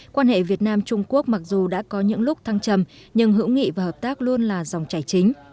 quan hệ việt nam trung quốc mặc dù đã có những lúc thăng trầm nhưng hữu nghị và hợp tác luôn là dòng chảy chính